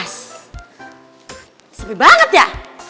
sepi banget ya